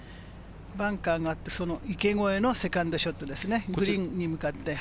バンカーがあって、池越えのセカンドショットですね、グリーンに向かって。